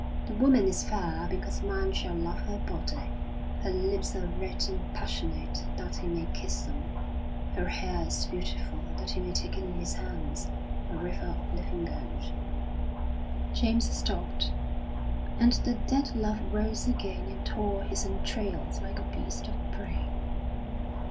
The woman is fair because man shall love her body; her lips are red and passionate that he may kiss them; her hair is beautiful that he may take it in his hands a river of living gold. James stopped, and the dead love rose again and tore his entrails like a beast of prey.